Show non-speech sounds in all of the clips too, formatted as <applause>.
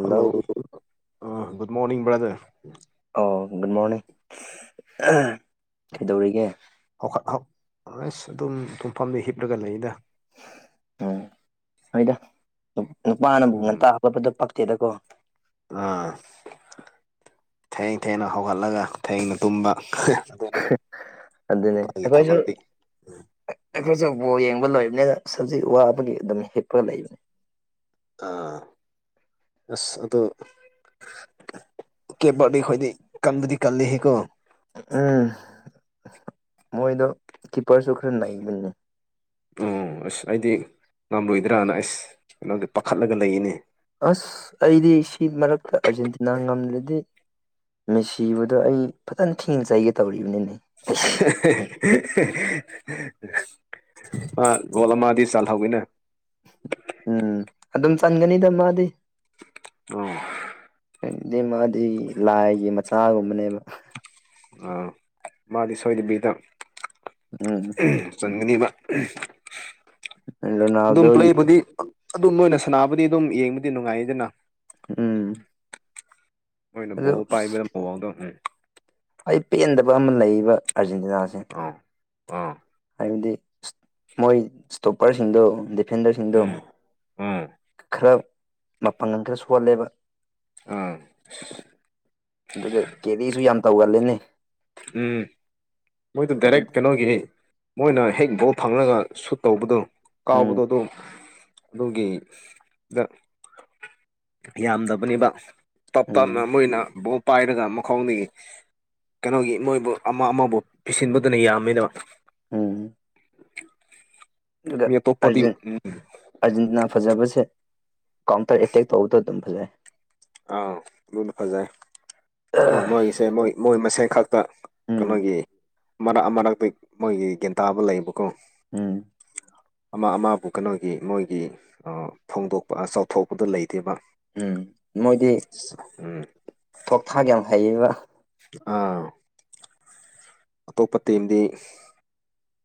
hello uh good morning brother ꯑꯥꯎ good morning ꯀꯩꯗꯧꯔꯤꯒꯦ ꯍꯧꯈꯠ ꯍꯧ ꯑꯁ ꯑꯗꯨꯝ ꯇꯨꯝꯐꯝꯗ ꯍꯤꯞꯂꯒ ꯂꯩꯗ ꯎꯝ ꯍꯣꯏꯗ ꯅꯨ ꯅꯨꯄꯥꯅꯕꯨꯨ ꯎꯝ ꯉꯟꯇꯥ ꯍꯧꯒꯠꯄꯗꯣ ꯄꯛꯇꯦꯗꯀꯣ ꯑꯥ ꯊꯦꯡ ꯊꯦꯡꯅ ꯍꯧꯒꯠꯂꯒ ꯊꯦꯡꯅ ꯇꯨꯝꯕ ꯑꯗꯨꯅꯤ ꯑꯗꯨꯅꯦ ꯃꯥꯒꯤ ꯑꯩꯈꯣꯏꯁꯨ ꯊꯕꯛꯇꯤ ꯑꯩꯈꯣꯏꯁꯨ ꯕꯣꯜ ꯌꯦꯡꯕ ꯂꯣꯏꯕꯅꯤꯅ ꯁꯖꯤꯛ ꯋꯥꯕꯒꯤ ꯑꯗꯨꯝ ꯍꯤꯞꯄꯒ ꯂꯩꯕꯅꯤ ꯑꯥ ꯑꯁ ꯑꯗꯣ ꯀꯦꯞ ꯕꯥꯔꯗꯦ ꯈꯣꯏꯗꯤ ꯀꯟꯕꯗꯤ ꯀꯜꯂꯦꯍꯦꯀꯣ ꯎꯝ ꯃꯣꯏꯗꯣ ꯀꯤꯞꯄꯔꯁꯨ ꯈꯔ ꯅꯩꯕꯅꯤ ꯎꯝ ꯑꯁ ꯑꯩꯗꯤ ꯉꯝꯂꯣꯏꯗ꯭ꯔꯥꯅ ꯑꯩꯁ ꯀꯩꯅꯣꯗꯤ ꯄꯥꯈꯠꯂꯒ ꯂꯩꯌꯦꯅꯦ ꯑꯁ ꯑꯩꯗꯤ ꯁꯤ ꯃꯔꯛꯇ ꯑꯥꯔꯖꯦꯟꯇꯤꯅꯥ ꯉꯝꯗ꯭ꯔꯗꯤ ꯃꯦꯁꯤꯕꯗꯣ ꯑꯩ ꯐꯖꯅ ꯊꯤꯅ ꯆꯩꯒꯦ ꯇꯧꯔꯤꯕꯅꯤꯅꯦ ꯑꯩꯁ <unintelligible> ꯃꯥ ꯒꯣꯜ ꯑꯃꯗꯤ ꯆꯜꯍꯧꯋꯤꯅꯦ ꯎꯝ ꯑꯗꯨꯝ ꯆꯟꯒꯅꯤꯗ ꯃꯥꯗꯤ <unintelligible> ꯗꯣ ꯃꯥꯗꯤ ꯂꯥꯏꯒꯤ ꯃꯆꯥꯒꯨꯝꯕꯅꯦꯕ ꯑ ꯃꯥꯗꯤ ꯁꯣꯏꯗꯕꯤꯗ ꯎꯝ ꯆꯟꯒꯅꯤꯕ ꯑꯗꯨꯝ ꯔꯣꯅꯥꯜꯗꯣꯒꯤ ꯄ꯭ꯂꯦꯕꯨꯗꯤ ꯑꯗꯨꯝ ꯃꯣꯏꯅ ꯁꯟꯅꯥꯕꯗꯤ ꯑꯗꯨꯝ ꯌꯦꯡꯕꯗꯤ ꯅꯨꯡꯉꯥꯏꯌꯦꯗꯅ ꯎꯝ ꯃꯣꯏꯅ ꯑꯗꯨ ꯕꯣꯜ ꯄꯥꯏꯕ ꯃꯑꯣꯡꯗꯣ ꯎꯝ ꯑꯩ ꯄꯦꯟꯗꯕ ꯑꯃ ꯂꯩꯌꯦꯕ ꯑꯥꯔꯖꯦꯟꯇꯤꯅꯥꯁꯦ ꯑꯥ ꯑꯥ ꯍꯥꯏꯕꯗꯤ ꯃꯣꯏ ꯏꯁꯇꯣꯞꯄꯔꯁꯤꯡꯗꯣ ꯗꯤꯐꯦꯟꯗꯔꯁꯤꯡꯗꯣ ꯎꯝ ꯎꯝ ꯈꯔ ꯃꯄꯪꯒꯜ ꯈꯔ ꯁꯣꯜꯂꯦꯕ ꯎꯝ ꯑꯗꯨꯒ ꯀꯦꯔꯤꯁꯨ ꯌꯥꯝ ꯇꯧꯒꯜꯂꯦꯅꯦ ꯎꯝ ꯃꯣꯏꯗꯣ ꯑꯗꯨ ꯗꯥꯏꯔꯦꯛ ꯀꯩꯅꯣꯒꯤ ꯃꯣꯏꯅ ꯍꯦꯛ ꯕꯣꯜ ꯐꯥꯡꯉꯒ ꯁꯨꯠ ꯇꯧꯕꯗꯣ ꯎꯝ ꯀꯥꯎꯕꯗꯣ ꯑꯗꯨꯝ ꯑꯗꯨꯒꯤ ꯗ ꯌꯥꯝꯗꯕꯅꯤꯕ ꯇꯞ ꯎꯝ ꯇꯞꯅ ꯃꯣꯏꯅ ꯕꯣꯜ ꯄꯥꯏꯔꯒ ꯃꯈꯣꯡꯗꯒꯤ ꯀꯩꯅꯣꯒꯤ ꯃꯣꯏꯕꯨ ꯑꯃ ꯑꯃꯕꯨ ꯄꯤꯁꯤꯟꯕꯗꯨꯅ ꯌꯥꯝꯃꯤꯗꯕ ꯎꯝ ꯏꯗ ꯃꯤ ꯑꯇꯣꯞꯄꯗꯤ ꯑꯟ <inaudible> ꯎꯝ ꯑꯥꯔꯖꯦꯟꯇꯤꯅꯥ ꯐꯖꯕꯁꯦ ꯀꯥꯎꯟꯇꯔ ꯑꯦꯇꯦꯛ ꯇꯧꯕꯗꯣ ꯑꯗꯨꯝ ꯐꯖꯩ ꯑꯥꯎ ꯑꯗꯨꯅ ꯐꯖꯩ ꯑꯣ ꯃꯣꯏꯒꯤꯁꯦ ꯃꯣꯏ ꯃꯣꯏ ꯃꯁꯦꯟꯈꯛ ꯇ ꯎꯝ ꯀꯩꯅꯣꯒꯤ ꯃꯔꯛ ꯃꯔꯛꯇ ꯃꯣꯏꯒꯤ ꯒ꯭ꯌꯥꯟꯇꯥꯥꯕ ꯂꯩꯌꯦꯕꯀꯣ ꯎꯝ ꯑꯃ ꯑꯃꯕꯨ ꯀꯩꯅꯣꯒꯤ ꯃꯣꯏꯒꯤ ꯐꯣꯡꯗꯣꯛꯄ ꯆꯥꯎꯊꯣꯛꯄꯗꯣ ꯂꯩꯇꯦꯕ ꯎꯝ ꯃꯣꯏꯗꯤ ꯎꯝ ꯊꯣꯛ ꯊꯥꯛ ꯌꯥꯝ ꯍꯩꯌꯦꯕ ꯑꯥ ꯑꯇꯣꯞꯄ ꯇꯤꯝꯗꯤ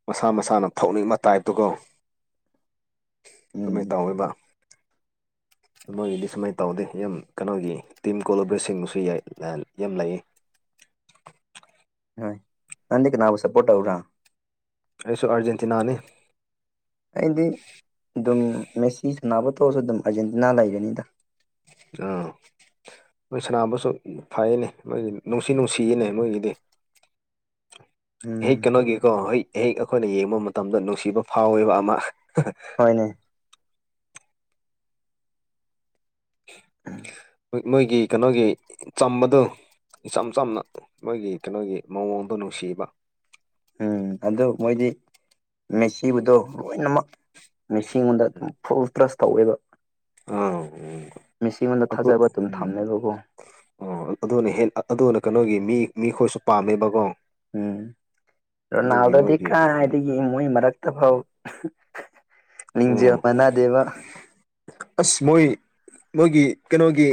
ꯃꯁꯥ ꯃꯁꯥꯅ ꯊꯧꯅꯤꯡꯕ ꯇꯥꯏꯞꯇꯨꯒꯣ ꯎꯝ ꯑꯗꯨꯃꯥꯏꯅ ꯇꯧꯋꯕ ꯃꯣꯏꯒꯤꯗꯤ ꯁꯨꯃꯥꯏꯅ ꯇꯧꯗꯦ ꯌꯥꯝ ꯀꯩꯅꯣꯒꯤ ꯇꯤꯝ ꯀꯣꯂꯣꯕ꯭ꯔꯦꯁꯤꯡꯁꯨꯏ ꯌꯥꯝ ꯂꯩꯌꯦ ꯍꯣꯢ ꯅꯪꯗꯤ ꯀꯅꯕꯨ ꯁꯄꯣꯔ ꯇꯧꯕ꯭ꯔ ꯑꯩꯁꯨ ꯑꯔꯖꯦꯟꯇꯤꯅꯥꯅꯤ ꯑꯩꯗꯤ ꯑꯗꯨꯝ ꯃꯦꯁꯤ ꯁꯥꯟꯅꯕ ꯇꯧꯛꯑꯁꯨ ꯑꯗꯨꯝ ꯑꯔꯖꯦꯟꯇꯤꯅꯥ ꯂꯩꯔꯅꯤꯗ ꯑ ꯃꯣꯏ ꯁꯅꯕꯁꯨ ꯐꯩꯌꯦꯅꯦ ꯃꯣꯏꯒꯤ ꯅꯨꯡꯁꯤ ꯅꯨꯡꯁꯤꯌꯦꯅꯦ ꯃꯣꯏꯒꯤꯗꯤ <inaudible> ꯎꯝ ꯍꯦꯛ ꯀꯩꯅꯣꯒꯤꯀꯣ ꯍꯦꯛ ꯍꯦꯛ ꯑꯩꯈꯣꯏꯅ ꯌꯦꯡꯕ ꯃꯇꯝꯗ ꯅꯨꯡꯁꯤꯕ ꯐꯥꯎꯋꯦꯕ ꯑꯃ ꯍꯣꯢꯅꯦ ꯃꯣꯏꯒꯤ ꯀꯩꯅꯣꯒꯤ ꯆꯝꯕꯗꯣ ꯏꯆꯝ ꯆꯝꯅ ꯃꯣꯏꯒꯤ ꯀꯩꯅꯣꯒꯤ ꯃꯑꯣꯡꯗꯣ ꯅꯨꯡꯁꯤꯕ ꯎꯝ ꯑꯗꯣ ꯃꯣꯏꯗꯤ ꯃꯦꯁꯤꯕꯗꯣ ꯂꯣꯏꯅꯃꯛ ꯃꯤꯁꯤꯉꯣꯟꯗ ꯑꯗꯨꯝ ꯐꯨꯜ ꯇ꯭ꯔꯁ ꯇꯧꯋꯦꯕ ꯑꯥ ꯎꯝ ꯃꯤꯦꯁꯤꯉꯣꯟꯗ ꯑꯗꯨ ꯊꯥꯖꯕ ꯑꯗꯨꯝ ꯎꯝ ꯊꯝꯃꯦꯕꯀꯣ ꯑꯣ ꯑꯗꯨꯅ ꯍꯦꯛ ꯑꯗꯨꯅ ꯀꯩꯅꯣꯒꯤ ꯃꯤ ꯃꯤꯈꯣꯏꯁꯨ ꯄꯥꯝꯃꯦꯕꯀꯣ ꯎꯝ ꯑꯗꯨꯒꯤ ꯔꯣꯅꯜꯗꯣꯗꯤ ꯃꯣꯏꯒꯤ ꯎꯝ ꯀꯥꯏꯗꯒꯤ ꯃꯣꯏ ꯃꯔꯛꯇ ꯐꯥꯎ ꯎꯝ ꯂꯤꯡꯖꯦꯜ ꯃꯅꯥꯗꯦꯕ ꯑꯁ ꯃꯣꯏ ꯃꯣꯏꯒꯤ ꯀꯩꯅꯣꯒꯤ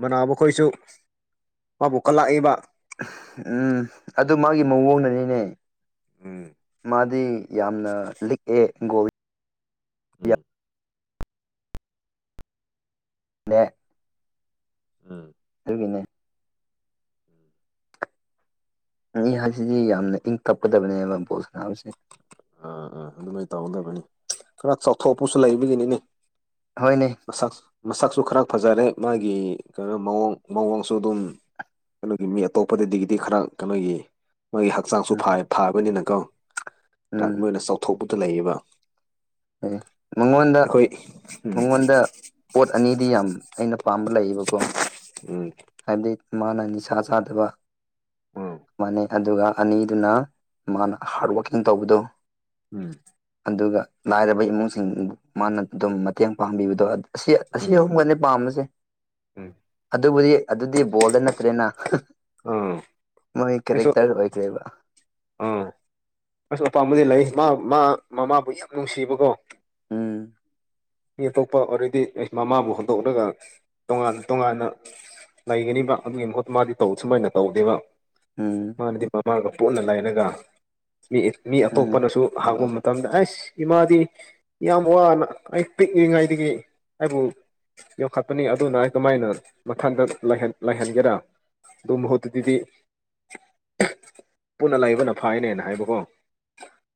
ꯃꯅꯥꯕ ꯃꯈꯣꯏꯁꯨ ꯃꯥꯕꯨꯛ ꯀꯂꯥꯛꯏꯕ ꯎꯝ ꯑꯗꯨ ꯃꯥꯒꯤ ꯃꯑꯣꯡꯅꯅꯤꯅꯦ ꯎꯝ ꯃꯥꯗꯤ ꯌꯥꯝꯅ ꯂꯤꯛꯑꯦ ꯒꯣꯜ ꯎꯝ ꯃꯦ ꯎꯝ ꯍꯥꯢꯒꯦꯅꯦ ꯍꯥꯏꯁꯤꯗꯤ ꯌꯥꯝꯅ ꯏꯪ ꯇꯞꯀꯗꯕꯅꯦꯕ ꯕꯣꯠ ꯁꯅꯥꯕꯁꯦ ꯑꯥ ꯎꯝ ꯑꯗꯨꯃꯥꯏꯅ ꯇꯧꯒꯗꯕꯅꯤ ꯈꯔ ꯆꯥꯎꯊꯣꯛꯄꯁꯨ ꯂꯩꯕꯒꯤꯅꯤꯅꯦ ꯍꯣꯢꯅꯦ ꯁꯛ ꯃꯁꯛꯁꯨ ꯈꯔ ꯐꯖꯔꯦ ꯃꯥꯒꯤ ꯀꯩꯅꯣ ꯃꯑꯣꯡ ꯃꯑꯣꯡꯁꯨ ꯑꯗꯨꯝ ꯀꯩꯅꯣꯒꯤ ꯃꯤ ꯑꯇꯣꯞꯄꯗꯗꯒꯤꯗꯤ ꯈꯔ ꯀꯩꯅꯣꯒꯤ ꯃꯣꯒꯤ ꯍꯛꯆꯥꯡꯁꯨ ꯎꯝ ꯐꯥꯕꯅꯤꯅꯀꯣ ꯎꯝ ꯃꯣꯏꯅ ꯆꯥꯎꯊꯣꯛꯄꯗ ꯂꯩꯌꯦꯕ ꯑꯦ ꯃꯉꯣꯟꯗ ꯑꯩꯈꯣꯏ ꯎꯝ ꯃꯉꯣꯟꯗ ꯄꯣꯠ ꯑꯅꯤꯗꯤ ꯌꯥꯝ ꯑꯩꯅ ꯄꯥꯝꯕ ꯂꯩꯌꯦꯕꯀꯣ ꯎꯝ <unintelligible> ꯃꯥꯅ ꯅꯤꯁꯥ ꯆꯥꯗꯕ ꯎꯝ ꯃꯥꯅꯩ ꯑꯗꯨꯒ ꯑꯅꯤꯗꯨꯅ ꯃꯥꯅ ꯍꯥꯔꯠ ꯋꯥꯀꯤꯡ ꯇꯧꯕꯗꯣ ꯎꯝ ꯑꯗꯨꯒ ꯂꯥꯏꯔꯕ ꯏꯃꯨꯡꯁꯤꯡꯕꯨ ꯃꯥꯅ ꯑꯗꯨꯝ ꯃꯇꯦꯡ ꯄꯥꯡꯕꯤꯕꯗꯣ ꯑꯁꯤ ꯑꯁꯤ ꯎꯝ ꯑꯍꯨꯝꯒꯅꯦ ꯄꯥꯝꯕꯁꯦ ꯎꯝ ꯑꯗꯨꯕꯨꯗꯤ ꯑꯗꯨꯗꯤ ꯕꯣꯜꯗ ꯅꯠꯇ꯭ꯔꯦꯅ ꯑꯥ ꯃꯣꯏ ꯑꯩꯁꯨ ꯀꯦꯔꯦꯛꯇꯔ ꯑꯣꯏꯈ꯭ꯔꯦꯕ ꯑꯥ ꯑꯁ ꯑꯄꯥꯝꯕꯗꯤ ꯂꯩ ꯃꯥ ꯃꯥ ꯃꯃꯥꯕꯨ ꯌꯥꯝ ꯅꯨꯡꯁꯤꯕꯀꯣ ꯎꯝ ꯃꯤ ꯑꯇꯣꯞꯄ ꯑ‌ꯣꯔꯦꯗꯤ ꯑ‌ꯦ ꯃꯃꯥꯕꯨ ꯍꯧꯗꯣꯛꯂꯒ ꯇꯣꯉꯥꯟ ꯇꯣꯉꯥꯟꯅ ꯂꯩꯒꯅꯤꯕ ꯑꯗꯨꯒꯤ ꯃꯍꯨꯠꯇ ꯃꯥꯗꯤ ꯇꯧ ꯁꯨꯃꯥꯏꯅ ꯇꯧꯗꯦꯕ ꯎꯝ ꯃꯥꯅꯗꯤ ꯃꯃꯥꯒ ꯄꯣꯟꯅ ꯂꯥꯏꯔꯒ ꯃꯤ ꯃꯤ ꯑꯗꯨꯅꯦ ꯑꯇꯣꯞꯄꯅꯁꯨ <unintelligible> ꯇꯝꯗ ꯑꯁ ꯏꯃꯥꯗꯤ ꯌꯥꯝ ꯋꯥꯅ ꯑꯩ ꯄꯤꯛꯂꯤꯉꯩꯗꯒꯤ ꯑꯩꯕꯨ ꯌꯣꯛꯈꯠꯄꯅꯤ ꯑꯗꯨꯅ ꯀꯃꯥꯏꯅ ꯃꯊꯟꯗ ꯂꯩꯍꯟ ꯂꯩꯍꯟꯒꯦꯔꯥ ꯑꯗꯨ ꯃꯍꯨꯠꯇꯨꯗꯤ ꯄꯨꯟꯅ ꯂꯩꯥꯏꯕꯅ ꯐꯥꯏꯌ‌ꯦꯅ ꯍꯥꯏꯕꯀꯣ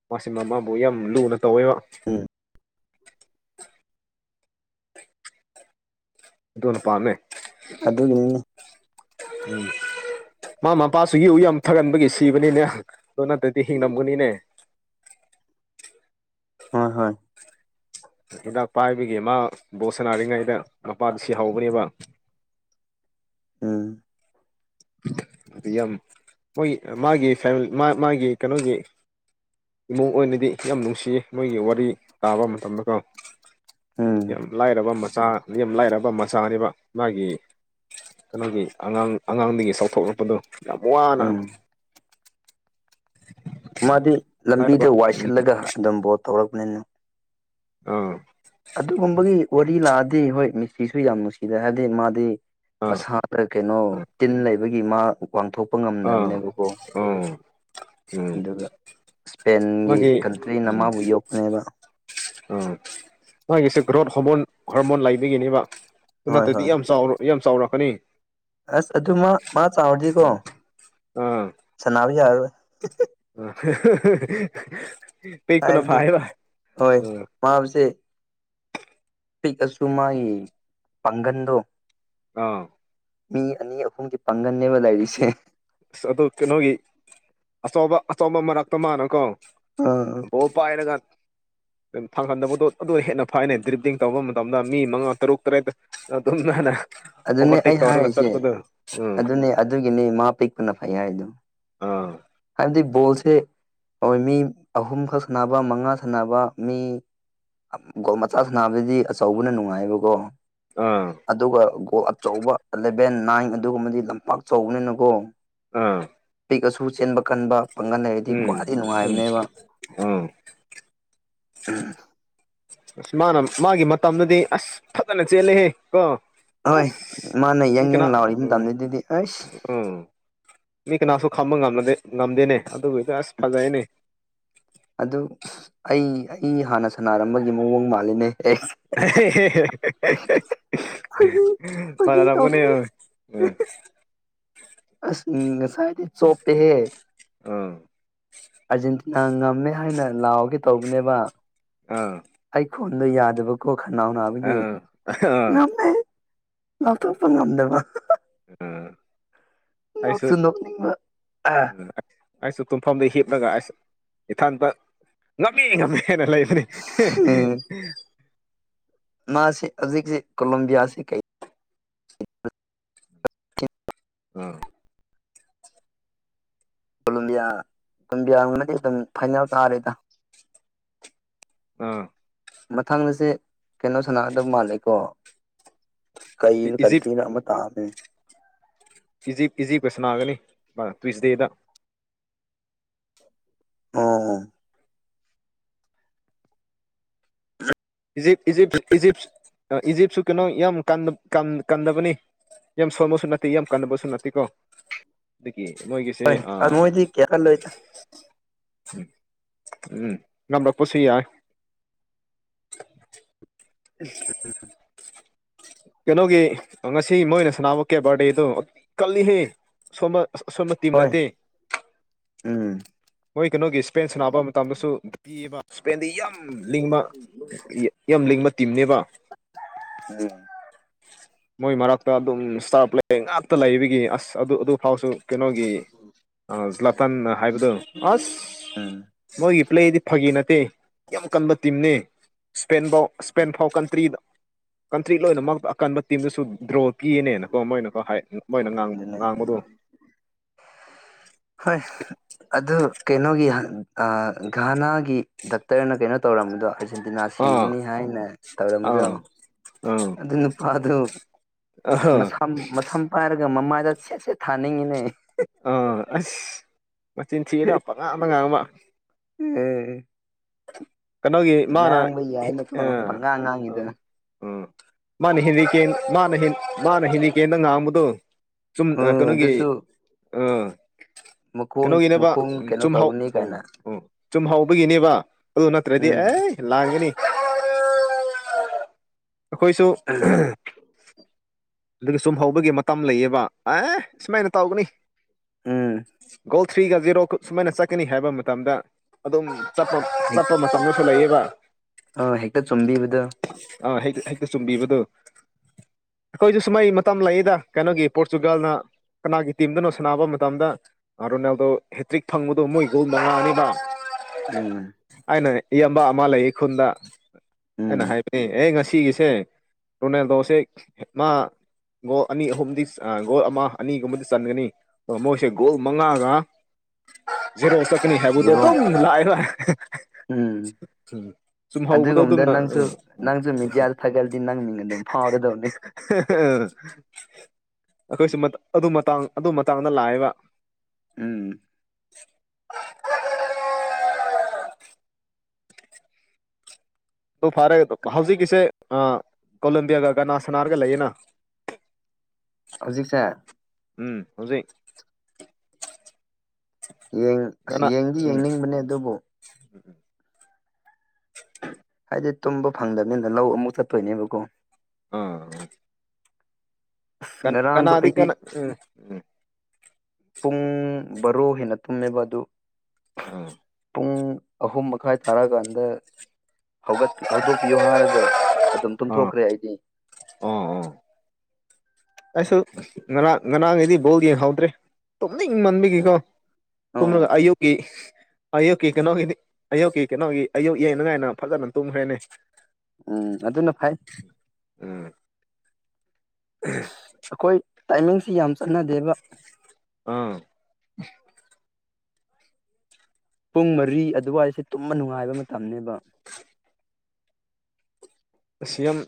ꯃꯥꯁꯤ ꯃ ꯃꯥꯥꯕꯨ ꯌꯥꯝ ꯂꯨꯅ ꯇꯧꯋꯦꯕ ꯎꯝ ꯑꯗꯨꯅ ꯄꯥꯃꯦ ꯑꯗꯨꯒꯤꯅꯤꯅꯦ ꯎꯝ ꯃꯥ ꯃꯄꯥꯁꯤꯁꯨ ꯌꯨ ꯌꯥꯝ ꯊꯔꯝꯕꯒꯤ ꯁꯤꯕꯅꯤꯅꯦ ꯑꯗꯨ ꯅꯠꯇ꯭ꯔꯗꯤ ꯍꯤꯡꯂꯝꯒꯅꯤꯅꯦ ꯍꯣꯏ ꯍꯣꯏ ꯍꯤꯗꯥꯛ ꯄꯥꯏꯕꯒꯤ ꯃꯥ ꯕꯣꯜꯁꯅꯥꯔꯤꯉꯩꯗ ꯃꯄꯥꯗꯨ ꯁꯤꯍꯧꯕꯅꯦꯕ ꯎꯝ <unintelligible> ꯌꯥꯝ ꯃꯣꯏꯒꯤ ꯃꯥꯒꯤ ꯐ ꯃꯥ ꯃꯥꯒꯤ ꯀꯩꯅꯣꯒꯤ ꯏꯃꯨꯡ ꯑꯣꯏꯅꯗꯤ ꯌꯥꯝ ꯅꯨꯡꯁꯤꯌꯦ ꯃꯣꯏꯒꯤ ꯋꯥꯔꯤ ꯇꯥꯕ ꯃꯇꯝꯗꯀꯣ ꯎꯝ ꯌꯥꯝ ꯂꯥꯏꯔꯕ ꯃꯆꯥ ꯑ ꯂꯥꯏꯔꯕ ꯃꯆꯥꯅꯦꯕ ꯃꯥꯒꯤ ꯀꯩꯅꯣꯒꯤ ꯑꯉꯥꯡ ꯑꯉꯥꯡꯗꯒꯤ ꯆꯥꯎꯊꯣꯛꯂꯛꯄꯗꯣ ꯌꯥꯝ ꯋꯥꯅ ꯎꯝ ꯃꯥꯗꯤ ꯂꯥꯏꯔꯕ ꯂꯝꯕꯤꯗ ꯋꯥꯏꯁꯤꯠꯂꯒ ꯑꯗꯨꯝ ꯕꯣꯜ ꯇꯧꯔꯛꯄꯅꯤꯅ ꯑꯥ ꯑꯗꯨꯒꯨꯝꯕꯒꯤ ꯋꯥꯔꯤ ꯂꯥꯛꯑꯗꯤ ꯍꯣꯏ ꯃꯤꯁꯤꯁꯨ ꯌꯥꯝ ꯅꯨꯡꯁꯤꯗ ꯍꯥꯏꯗꯤ ꯃꯥꯗꯤ ꯑꯥ ꯃꯁꯥꯗ ꯀꯩꯅꯣ ꯑꯥ ꯇꯤꯟ ꯂꯩꯕꯒꯤ ꯃꯥ ꯋꯥꯡꯊꯣꯛꯄ ꯉꯝꯗꯕꯅꯦꯕꯀꯣ ꯑꯣ ꯑꯗꯨꯒ ꯏꯁꯄꯦꯟꯒꯤ ꯃꯥꯒꯤ ꯀꯟꯇ꯭ꯔꯤꯅ ꯎꯝ ꯃꯥꯕꯨ ꯌꯣꯛꯄꯅꯦꯕ ꯑꯥ ꯃꯥꯒꯤꯁꯦ ꯒ꯭ꯔꯣꯠ ꯍꯣꯔꯃꯣꯟ ꯍꯣꯔꯃꯣꯟ ꯂꯩꯕꯒꯤꯅꯦꯕ ꯑꯗꯨ ꯍꯣꯏ ꯅꯠꯇ꯭ꯔꯗꯤ ꯍꯣꯏ ꯌꯥꯝ ꯆꯥꯎꯔ ꯌꯥꯝ ꯆꯥꯎꯔꯛꯀꯅꯤ ꯑꯁ ꯑꯗꯨ ꯃꯥ ꯃꯥ ꯆꯥꯎꯔꯗꯤꯀꯣ ꯁꯅꯕ ꯌꯥꯔꯔꯣꯏ <unintelligible> ꯄꯤꯄꯅ ꯐꯔ‌ꯦꯕ ꯃꯥꯎꯁꯦ ꯄꯤꯛꯑꯁꯨ ꯃꯥꯒꯤ ꯄꯥꯡꯒꯟꯗꯣ ꯑꯥ ꯃꯤ ꯑꯅꯤ ꯑꯍꯨꯝꯒꯤ ꯄꯥꯡꯒꯟꯅꯅꯦꯕ ꯂꯩꯔꯤꯁꯦ ꯑꯁ ꯑꯗꯨ ꯀꯩꯅꯣꯒꯤ ꯑꯆꯧꯕ ꯑꯆꯧꯕ ꯃꯔꯛꯇ ꯃꯥꯅꯀꯣ ꯑꯥ ꯕ‌ꯣꯜ ꯄꯥꯏꯔꯒ ꯄ ꯐꯪꯍꯟꯗꯕꯗꯣ ꯑꯗꯨ ꯍꯦꯟꯅ ꯐꯥꯏꯅꯩ ꯗ꯭ꯔꯤꯞꯇꯡ ꯇꯧꯕ ꯃꯇꯝꯗ ꯃꯤ ꯃꯉꯥ ꯇꯔꯨꯛ ꯇꯔꯦꯠꯇ ꯑ ꯑꯗꯨꯅ ꯑꯗꯨꯅꯦ ꯑꯣꯕꯔꯇꯦꯛ ꯇꯋꯥꯔꯒꯁꯗꯨ ꯎꯝ ꯑꯗꯨꯒꯤꯅꯤ ꯃꯥ ꯄꯤꯛꯄꯅ ꯐꯩ ꯍꯥꯏꯗꯣ ꯑꯥ ꯍꯥꯏꯕꯗꯤ ꯕꯣꯜꯁꯦ ꯑꯩꯣꯏ ꯃꯤ ꯑꯍꯨꯝꯈꯛ ꯁꯥꯟꯅꯕ ꯃꯉꯥ ꯁꯥꯟꯅꯕ ꯃꯤ ꯒꯣꯜ ꯃꯆꯥꯁ ꯅꯥꯕꯗꯗꯤ ꯑꯆꯧꯕꯅ ꯅꯨꯡꯉꯥꯏꯑꯕꯀꯣ ꯑꯥ ꯑꯗꯨꯒ ꯒꯣ ꯑꯆꯧꯕ ꯑꯂꯤꯟ ꯚꯦꯟ ꯅꯥꯏꯟ ꯑꯗꯨꯒꯨꯝꯕꯗꯤ ꯂꯝꯄꯥꯛ ꯆꯥꯎꯕꯅꯤꯅꯀꯣ ꯑ ꯄꯤꯛꯑꯁꯨ ꯆꯦꯟꯕ ꯀꯟꯕ ꯄꯥꯡꯒꯜ ꯂꯩꯔꯗꯤ ꯎꯝ ꯈ꯭ꯋꯥꯏꯗꯒꯤ ꯎꯝ ꯅꯨꯡꯉꯥꯏꯕꯅꯦꯕ ꯑꯥ ꯎꯝ ꯑꯁ ꯃꯥꯅ ꯃꯥꯒꯤ ꯃꯇꯝꯗꯗꯤ ꯑꯁ ꯐꯖꯅ ꯆꯦꯜꯂꯦꯍꯦ ꯀꯣ ꯑꯣꯏ ꯃꯥꯅ ꯑꯁ ꯃꯤ ꯌꯥꯪ ꯌꯥꯪ ꯀꯅꯥ ꯂꯥꯎꯔꯤ ꯎꯝ ꯃꯇꯝꯅꯦ ꯗꯨꯗꯤ ꯑꯩꯁ ꯎꯝ ꯃꯤ ꯀꯅꯥꯁꯨ ꯈꯥꯝꯕ ꯉꯝꯅꯗꯦ ꯉꯝꯗꯦꯅꯦ ꯑꯗꯨꯕꯨꯗꯤ ꯑꯁ ꯐꯖꯩꯅꯦ ꯑꯗꯨ ꯑꯁ ꯑꯩ ꯑꯩ ꯍꯥꯟꯅ ꯁꯥꯟꯅꯔꯝꯕꯒꯤ ꯃꯑꯣꯡ ꯃꯥꯜꯂꯤꯅꯦ ꯑꯦ ꯑꯦꯍꯦꯍꯦꯍꯦ ꯐꯥꯒꯤ ꯐꯥꯒꯤ ꯃꯥꯟꯅꯔꯝꯒꯅꯤ ꯇꯧꯕꯅꯦ ꯎꯝ ꯑꯁ ꯉꯁꯥꯏꯗꯤ ꯆꯣꯄꯦ ꯍꯦ ꯑ ꯑꯔꯖꯦꯟꯇꯤꯅꯥ ꯉꯝꯃꯦ ꯍꯥꯏꯅ ꯂꯥꯎꯒꯦ ꯇꯧꯕꯅꯦꯕ ꯑꯥ ꯑꯩꯈꯣꯟꯗꯣ ꯌꯥꯗꯕꯀꯣ ꯈꯅꯥꯎ ꯅꯥꯕꯒꯤ ꯑꯥ ꯑꯥ ꯉꯝꯃꯦ ꯂꯥꯎꯊꯣꯛꯄ ꯉꯝꯗꯕ ꯍꯍꯥ ꯎꯝ ꯑꯩꯁꯨ ꯅꯣꯛꯁꯨ ꯅꯣꯛꯅꯤꯡꯕ ꯑꯥ ꯎꯝ ꯑꯩꯁꯨ ꯇꯨꯝꯐꯝꯗ ꯍꯤꯞꯂꯒ ꯑꯁ ꯏꯊꯟꯇ ꯉꯝꯃꯤ ꯉꯝꯃꯦ ꯍꯥꯏꯅ ꯂꯩꯕꯅꯦ ꯍꯦ ꯃꯥꯁꯦ ꯍꯧꯖꯤꯛꯁꯤ ꯀꯣꯂꯝꯕꯤꯌꯥꯁꯤ ꯀꯩ ꯎꯝ ꯀꯣꯂꯝꯕꯤꯌꯥ <inaudible> ꯌꯥꯡꯕꯅꯗꯤ ꯑꯗꯨꯝ ꯐꯥꯏꯅꯦꯜ ꯇꯥꯔꯦꯗ ꯎꯝ ꯃꯊꯪꯗꯁꯦ ꯀꯩꯅꯣ ꯁꯅꯥꯒꯗꯕ ꯃꯥꯜꯂꯦꯀꯣ ꯀꯩꯅꯣ ꯏꯖꯤꯞ ꯀꯟꯇꯔ꯭ꯤꯅ ꯑꯃꯠꯇ ꯍꯥꯥꯞꯄꯤ ꯏꯖꯤꯞ ꯏꯖꯤꯞꯀ ꯁꯅꯥꯒꯅꯤ ꯇ꯭ꯋꯤꯁꯗꯦꯗ ꯑꯣ ꯏꯖꯤꯞ ꯏꯖꯤꯞ ꯏꯖꯤꯞ ꯏꯖꯤꯞꯁꯨ ꯀꯩꯅꯣ ꯌꯥꯝ ꯀꯟꯅ ꯀꯟꯗꯕꯅꯤ ꯌꯥꯝ ꯁꯣꯟꯕꯁꯨ ꯅꯠꯇꯦ ꯌꯥꯝ ꯀꯟꯅꯕꯁꯨ ꯅꯠꯇꯦ ꯀꯣ ꯑꯗꯨꯒꯤ ꯃꯣꯏꯒꯤ ꯍꯣꯏ ꯑ ꯃꯣꯏꯗꯤ ꯀꯌꯥ ꯀꯜꯂꯣꯏꯗ ꯎꯝ ꯉꯝꯂꯛꯄꯁꯨ ꯌꯥꯏ ꯎꯝ ꯍ ꯎꯝ ꯀꯩꯅꯣꯒꯤ ꯉꯁꯤ ꯃꯣꯏꯅ ꯁꯥꯟꯅꯕ ꯀꯦꯕꯥꯔꯗꯦꯗꯣ ꯀꯜꯂꯤꯍꯦ ꯁꯣꯝꯕ ꯑꯁ ꯑꯁꯣꯟꯕ ꯇꯤꯝ ꯍꯣꯏ ꯅꯠꯇꯦ ꯎꯝ ꯃꯣꯏ ꯀꯩꯅꯣꯒꯤ ꯏꯁꯄꯦꯟ ꯁꯥꯟꯅꯕ ꯃꯇꯝꯗꯁꯨ ꯄꯤꯌꯦꯕ ꯏꯁꯄꯦꯟꯗꯤ ꯌꯥꯝ ꯂꯤꯡꯕ ꯌꯥꯝ ꯂꯤꯡꯕ ꯇꯤꯝꯅꯦꯕ ꯎꯝ ꯃꯣꯏ ꯃꯔꯛꯇ ꯑꯗꯨꯝ ꯏꯁꯇꯥꯔ ꯄ꯭ꯂꯦ ꯉꯥꯛꯇ ꯂꯩꯕꯒꯤ ꯑꯁ ꯑꯗꯨ ꯑꯗꯨ ꯐꯥꯎꯁꯨ ꯀꯩꯅꯣꯒꯤ ꯑ ꯂꯇꯟ ꯍꯥꯏꯕꯗꯨ ꯑꯁ ꯎꯝ ꯃꯣꯏꯒꯤ ꯄ꯭ꯂꯦꯗꯤ ꯐꯒꯤ ꯅꯠꯇꯦ ꯌꯥꯝ ꯀꯟꯕ ꯇꯤꯝꯅꯦ ꯏꯁꯄꯦꯟ ꯕꯧ ꯏꯁꯄꯦꯟ ꯐꯥꯎ ꯀꯟꯇ꯭ꯔꯤꯗ ꯀꯟꯇ꯭ꯔꯤ ꯂꯣꯏꯅꯃꯛꯇ ꯑꯀꯟꯕ ꯇꯤꯝꯗꯁꯨ ꯗ꯭ꯔꯣ ꯀꯤꯌꯦꯅꯦꯅꯀꯣ ꯃꯣꯏꯅꯀꯣ ꯍꯥꯏ ꯃꯣꯏꯅ ꯑꯗꯨꯅꯦ ꯉꯥꯡꯕꯗꯣ ꯍꯣꯏ ꯑꯗꯨ ꯀꯩꯅꯣꯒꯤ ꯍ ꯑ ꯘꯥꯅꯥꯒꯤ ꯗꯥꯛꯇꯔꯅ ꯀꯩꯅꯣ ꯇꯧꯔꯝꯕꯗꯣ ꯍꯧꯖꯤꯛ ꯁꯟꯇꯤꯅꯥ ꯑꯥ ꯁꯤꯔꯅꯤ ꯍꯥꯏꯅ ꯇꯧꯔꯝꯕꯗꯣ ꯑ ꯑꯗꯨ ꯅꯨꯄꯥꯗꯨ ꯃꯁꯥꯝ ꯃꯁꯝ ꯐꯔꯒꯥ ꯃꯥꯏꯃꯥꯏꯗꯥ ꯁꯦꯠꯁꯦꯠ ꯊꯥꯅꯤꯡꯉꯤꯅꯦ ꯑꯥ ꯑꯁ ꯃꯆꯤꯟ ꯊꯤꯑꯦꯗ ꯄꯉꯥꯡꯗ ꯉꯥꯡꯕ ꯑꯦ ꯀꯩꯅꯣꯒꯤ ꯃꯥꯅ ꯉꯥꯡꯕ ꯍꯦꯛ ꯌꯥꯏꯅꯦꯀꯣ ꯑ ꯄꯪꯉꯥꯡ ꯉꯥꯡꯉꯤꯗ ꯑꯝ ꯑ ꯃꯥꯅ ꯍꯦꯜꯂꯤꯀꯦꯟ ꯃꯥꯅ ꯍꯦꯟ ꯃꯥꯅ ꯍꯦꯜꯂꯤꯀꯦꯟꯗ ꯉꯥꯡꯕꯗꯣ ꯆꯨꯝ ꯑ ꯎꯝ ꯀꯩꯅꯣꯒꯤ ꯑꯗꯨꯁꯨ ꯑꯥ ꯃꯈꯣꯡ ꯀꯩꯅꯣꯒꯤꯅꯦꯕ ꯃꯈꯣꯡ ꯎꯝ ꯀꯩꯅꯣ ꯆꯨꯝꯍꯧ ꯇꯧꯒꯅꯤ ꯎꯝ ꯀꯥꯏꯅ ꯎꯝ ꯆꯨꯝꯍꯧꯕꯒꯤꯅꯦꯕ ꯑꯗꯨ ꯅꯠꯇ꯭ꯔꯗꯤ ꯎꯝ ꯑꯦ ꯂꯥꯡꯒꯅꯤ ꯑꯈꯣꯏꯁꯨ ꯑꯝ ꯑꯗꯨꯒ ꯁꯨꯝ ꯍꯧꯕꯒꯤ ꯃꯇꯝ ꯂꯩꯑꯦꯕ ꯑꯦ ꯁꯨꯃꯥꯏꯅ ꯇꯧꯒꯅꯤ ꯎꯝ ꯒꯣꯜ ꯊ꯭ꯔꯤꯒ ꯖꯦꯔꯣꯀꯥ ꯁꯨꯃꯥꯏꯅ ꯆꯠꯀꯅꯤ ꯍꯥꯏꯕ ꯃꯇꯝꯗ ꯑꯗꯨꯝ ꯆꯠꯄ ꯍꯦꯛ ꯆꯠꯄ ꯃꯇꯝꯗꯇ ꯂꯩꯌꯦꯕ ꯑ ꯍꯦꯛꯇ ꯆꯨꯝꯕꯤꯕꯗꯣ ꯑꯥ ꯍꯦꯛ ꯍꯦꯛꯇ ꯆꯨꯝꯕꯤꯕꯗꯣ ꯑꯈꯣꯏꯁꯨ ꯁꯨꯃꯥꯏ ꯃꯇꯝ ꯂꯩꯌꯦꯗ ꯀꯩꯅꯣꯒꯤ ꯄꯣꯔꯇꯨꯒꯜꯅ ꯀꯅꯥꯒꯤ ꯇꯤꯝꯗꯅꯣ ꯁꯥꯟꯅꯥꯕ ꯃꯇꯝꯗ ꯑ ꯔꯣꯅꯦꯜꯗꯣ ꯍꯦꯇ꯭ꯔꯤꯛ ꯐꯪꯕꯗꯣ ꯃꯣꯏ ꯒꯣꯜ ꯃꯉꯥꯅꯤꯕ ꯎꯝ ꯑꯩꯅ ꯏꯌꯥꯝꯕ ꯑꯃ ꯂꯩꯌꯦ ꯈꯨꯟꯗ ꯑꯩꯅ ꯎꯝ ꯍꯥꯏꯕꯅꯤ ꯑꯦ ꯉꯁꯤ ꯑꯁꯦ ꯔꯣꯅꯥꯜꯗꯣꯁꯦ ꯃꯥ ꯒꯣꯜ ꯑꯅꯤ ꯑꯍꯨꯝꯗꯤ ꯑ ꯒꯣꯜ ꯑꯃ ꯑꯅꯤꯒꯨꯝꯕꯗꯤ ꯆꯟꯒꯅꯤ ꯑꯣ ꯃꯣꯏꯁꯦ ꯒꯣꯜ ꯃꯉꯥꯒ ꯖꯦꯔꯣ ꯆꯠꯀꯅꯤ ꯍꯥꯏꯕꯗꯣ ꯖꯤꯔꯣ ꯗꯨꯝ ꯂꯥꯏꯔꯣꯏ ꯎꯝ ꯆꯨꯝꯍꯧꯕꯗꯣ ꯑꯗꯨꯒꯨꯝꯕꯗ ꯑꯗꯨꯝꯅ ꯅꯪꯁꯨ ꯎꯝ ꯅꯪꯁꯨ ꯃꯦꯗꯤꯌꯥꯗ ꯊꯥꯒꯠꯂꯗꯤ ꯅꯪ ꯃꯤꯡ ꯑꯗꯨꯝ ꯐꯥꯎꯔꯗꯧꯅꯤ ꯑꯈꯣꯏꯁꯨ ꯃꯠ ꯑꯗꯨ ꯃꯇꯥꯡ ꯑꯗꯨ ꯃꯇꯥꯡꯗ ꯂꯥꯛꯑꯦꯕ ꯎꯝ <inaudible> ꯑꯗꯣ ꯐꯔꯦ ꯍꯧꯖꯤꯛꯀꯤꯁꯦ ꯑ ꯀꯣꯂꯝꯕꯤꯌꯥꯒ ꯀꯅꯥ ꯁꯅꯥꯔꯒ ꯂꯩꯌꯦꯅ <inaudible> ꯍꯧꯖꯤꯛꯁꯦ ꯎꯝ ꯍꯧꯖꯤꯛ ꯌꯦꯡ ꯑꯁ ꯀꯅꯥ ꯌꯦꯡꯗꯤ ꯎꯝ ꯌꯦꯡꯅꯤꯡꯕꯅꯦ ꯑꯗꯨꯕꯨ ꯍꯥꯏꯗꯤ ꯇꯨꯝꯕ ꯐꯪꯗꯕꯅꯤꯅ ꯂꯧ ꯑꯃꯨꯛ ꯆꯠꯇꯣꯏꯅꯦꯕꯀꯣ ꯑꯥ ꯑꯁ ꯀꯟ ꯉꯔꯥꯡꯗꯣ ꯀꯅꯥꯗꯤ ꯑꯩꯗꯤ ꯀꯟꯅ ꯍꯪ ꯍꯥ ꯄꯨꯡ ꯕꯥꯔꯣ ꯍꯦꯟꯅ ꯇꯨꯝꯂꯦꯕ ꯑꯗꯨ ꯑꯥ ꯄꯨꯡ ꯑꯍꯨꯝ ꯃꯈꯥꯏ ꯇꯥꯔꯀꯥꯟꯗ ꯍꯧꯒꯠ ꯍꯧꯗꯣꯛꯄꯤꯌꯣ ꯍꯥꯏꯔꯒ ꯑꯗꯨꯝ ꯇꯨꯝꯊꯣꯛꯈ꯭ꯔꯦ ꯑꯩꯗꯤ ꯑꯣ ꯑꯣ ꯑꯩꯁꯨ ꯉꯔꯥꯡ ꯉꯔꯥꯡꯒꯤꯗꯤ ꯕꯣꯜ ꯌꯦꯡꯍꯧꯗ꯭ꯔꯦ ꯇꯨꯝꯅꯤꯡꯃꯟꯕꯒꯤꯀꯣ ꯎꯝ ꯇꯨꯝꯂꯒ ꯑꯌꯨꯛꯀꯤ ꯑꯌꯨꯛꯀꯤ ꯀꯩꯅꯣꯒꯤꯗꯤ ꯑꯌꯨꯛꯀꯤ ꯀꯩꯅꯣꯒꯤ ꯑꯌꯨꯛ ꯌꯦꯡꯅꯉꯥꯏꯅ ꯐꯖꯅ ꯇꯨꯝꯈ꯭ꯔꯦꯅꯦ ꯎꯝ ꯑꯗꯨꯅ ꯐꯩ ꯎꯝ ꯑꯩꯈꯣꯏ ꯇꯥꯏꯃꯤꯡꯁꯤ ꯌꯥꯝ ꯆꯥꯅꯗꯦꯕ ꯑꯥ ꯄꯨꯡ ꯃꯔꯤ ꯑꯗꯨꯋꯥꯏꯁꯦ ꯇꯨꯝꯕ ꯅꯨꯡꯉꯥꯏꯕ ꯃꯇꯝꯅꯦꯕ ꯑꯁꯤꯌꯥꯝ